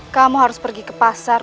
kamu harus pergi ke pasar